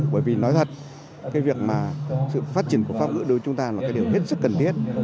bởi vì nói thật cái việc mà sự phát triển của pháp ngữ đối với chúng ta là cái điều hết sức cần thiết